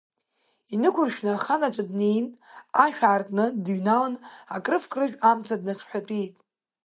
Инықәыршәны ахан аҿы днеин, ашә аартны дныҩналан, акрыф-акрыжә амца дныҽҳәатәеит.